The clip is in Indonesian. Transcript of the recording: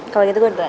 kalau gitu gue duan